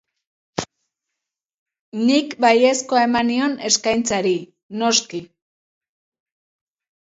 Nik, baiezkoa eman nion eskaintzari, noski.